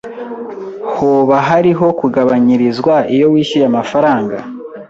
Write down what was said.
Hoba hariho kugabanyirizwa iyo wishyuye amafaranga?